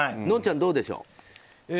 のんちゃん、どうでしょう。